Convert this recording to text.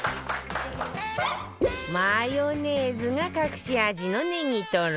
マヨネーズが隠し味のねぎとろ